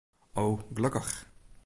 O, gelokkich.